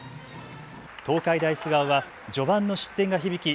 東海大菅生は序盤の失点が響き